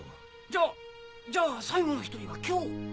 じゃじゃあ最後の１人は今日。